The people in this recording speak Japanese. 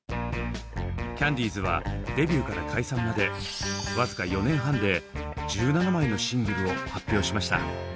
キャンディーズはデビューから解散までわずか４年半で１７枚のシングルを発表しました。